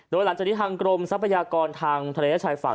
โดยหลังจากนี้ทางกรมทรัพยากรทางทะเลและชายฝั่ง